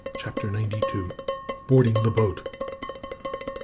CHAPTER NINETY TWO. BOARDING THE BOAT.